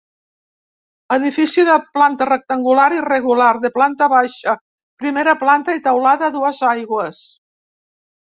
Edifici de planta rectangular irregular, de planta baixa, primera planta i teulada a dues aigües.